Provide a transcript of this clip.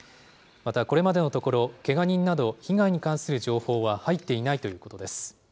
また、これまでのところ、けが人など被害に関する情報は入っていないということです。